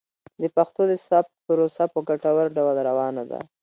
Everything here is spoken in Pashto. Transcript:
د پښتو د ثبت پروسه په ګټور ډول روانه ده.